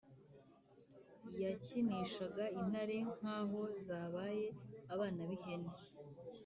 Yakinishaga intare nk’aho zabaye abana b’ihene,